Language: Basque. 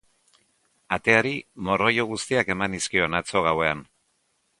Ateari morroilo guztiak eman nizkion atzo gauean.